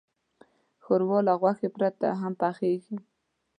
ښوروا له غوښې پرته هم پخیږي.